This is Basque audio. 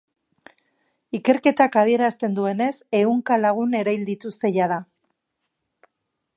Ikerketak adierazten duenez, ehunka lagun erail dituzte jada.